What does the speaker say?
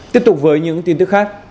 tiếp tục với những tin tức khác